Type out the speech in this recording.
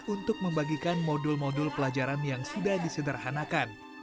untuk membagikan modul modul pelajaran yang sudah disederhanakan